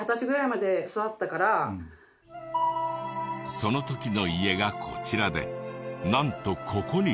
その時の家がこちらでなんとここに。